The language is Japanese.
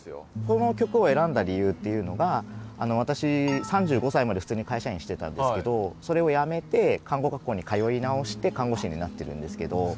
この曲を選んだ理由っていうのが私３５歳まで普通に会社員してたんですけどそれを辞めて看護学校に通い直して看護師になってるんですけど。